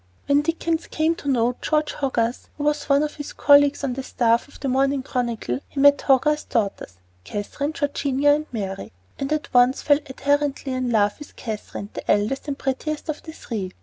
When Dickens came to know George Hogarth, who was one of his colleagues on the staff of the Morning Chronicle, he met Hogarth's daughters Catherine, Georgina, and Mary and at once fell ardently in love with Catherine, the eldest and prettiest of the three.